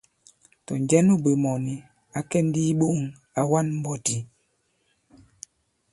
Tɔ̀ njɛ nu bwě mɔ̀ni, ǎ kɛ̀ ndi i iɓōŋ, à wa᷇n mbɔti.